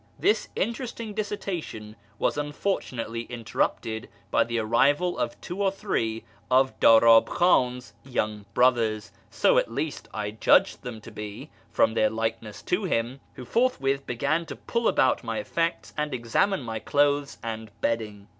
This interesting dissertation was unfor tunately interrupted by the arrival of two or three of Darab Khan's younger brothers (so, at least, I judged them to be from their likeness to him), who forthwith began to pull about my effects and examine my clothes and bedding.